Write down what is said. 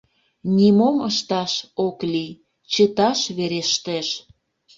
Нимом ышташ ок лий, чыташ верештеш...